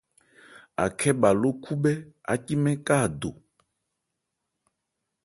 Akhɛ́ bha ló khúbhɛ́ ácí mɛ́n ka a do.